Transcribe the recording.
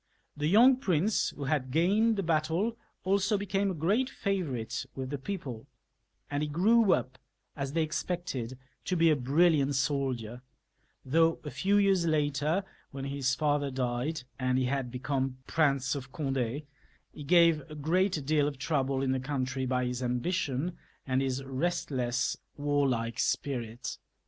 The young prince who had gained the battle also became a great favourite with the people, and he grew up, as they expected, to be a brilliant soldier, though a few years later, when his father died, and he had become Prince of Cond6, he gave a great deal of trouble in the country by his ambition and Ins restless, warlike spirit.